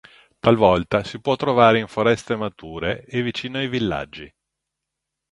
Talvolta si può trovare in foreste mature e vicino ai villaggi.